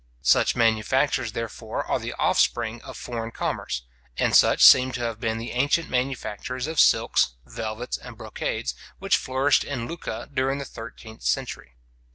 Such manufactures, therefore, are the offspring of foreign commerce; and such seem to have been the ancient manufactures of silks, velvets, and brocades, which flourished in Lucca during the thirteenth century.